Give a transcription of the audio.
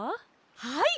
はい！